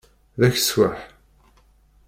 D akeswaḥ!